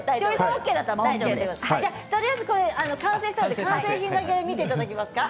とりあえず完成品だけ見ていただけますか。